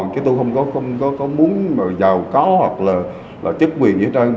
chứ tôi không có muốn mà giàu có hoặc là chức quyền gì hết trơn